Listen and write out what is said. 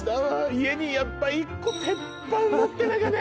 家にやっぱ一個鉄板持ってなきゃね